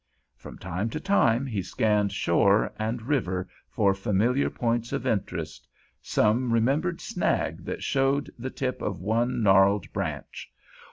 From time to time he scanned shore and river for familiar points of interest—some remembered snag that showed the tip of one gnarled branch.